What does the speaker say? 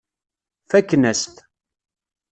Fakken-as-t.